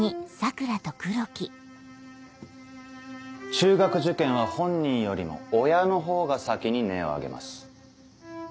中学受験は本人よりも親のほうが先に根を上げます。